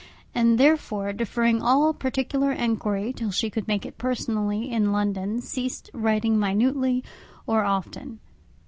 and therefore, deferring all particular enquiry till she could make it personally in London, ceased writing minutely or often.